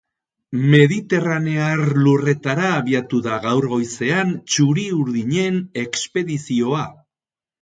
Mediterranear lurretara abiatu da gaur goizean txuri-urdinen expedizioa.